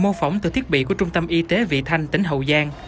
tổng từ thiết bị của trung tâm y tế vị thanh tỉnh hậu giang